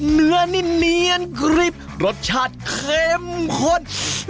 เนื้อนิดกริบรสชาติเค็มข้น